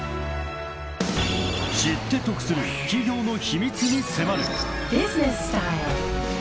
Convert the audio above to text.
［知って得する企業の秘密に迫る］